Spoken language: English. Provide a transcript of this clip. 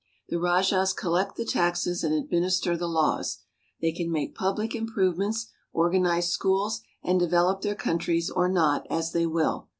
The rajahs collect the taxes and administer the laws. They can make public im provements, organize schools, and develop their countries or not as they will.